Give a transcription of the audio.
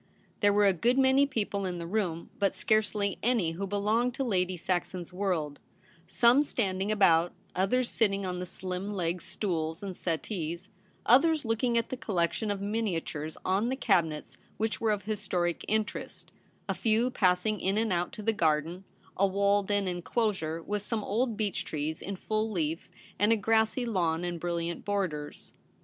There were a good many people in the room, but scarcely any who belonged to Lady Saxon's world : some standing about, others sitting on the slim legged stools and settees ; others lookincr at the collection of miniatures on the cabinets which were of historic in terest ; a few passing in and out to the garden — a walled in enclosure with some old beech trees in full leaf, and a grassy lawn and brilliant borders.